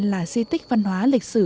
là di tích văn hóa lịch sử